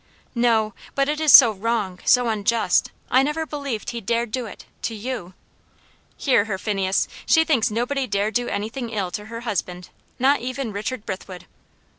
"No! But it is so wrong so unjust. I never believed he dared do it to you." "Hear her, Phineas! She thinks nobody dare do anything ill to her husband not even Richard Brithwood."